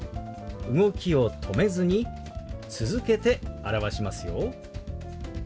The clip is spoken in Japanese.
動きを止めずに続けて表しますよ。